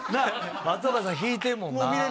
松岡さん、引いてるもんな。